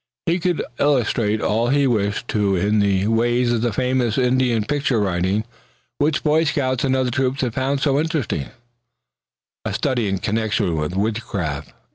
He could illustrate all he wished to in the way of the famous Indian picture writing, which Boy Scouts in other troops had found so interesting a study in connection with woodcraft.